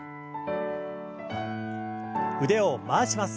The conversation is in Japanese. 腕を回します。